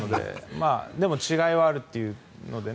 でも違いはあるというのでね。